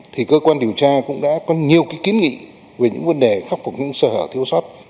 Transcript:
thì cơ quan điều tra cũng đã có nhiều kiến nghị về những vấn đề khắc phục những sơ hở thiếu sót